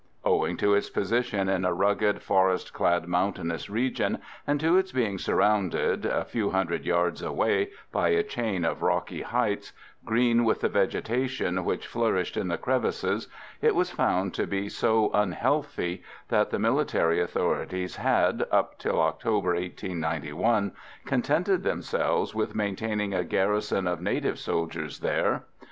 Owing to its position in a rugged, forest clad mountainous region, and to its being surrounded, a few hundred yards away, by a chain of rocky heights, green with the vegetation which flourished in the crevices, it was found to be so unhealthy that the military authorities had, up till October 1891, contented themselves with maintaining a garrison of native soldiers there.